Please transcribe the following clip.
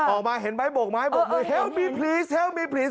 ออกมาเห็นไหมบกมาให้บอกแฮลมีพลีสแฮลมีพลีส